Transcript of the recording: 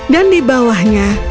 dan di bawahnya